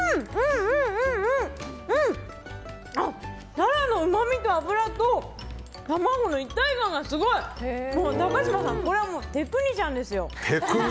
タラのうまみと脂と卵の一体感がすごい！高嶋さんこれはテクニシャンですよ。